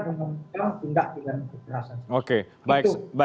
dan kehadiran umumnya tidak dengan kekerasan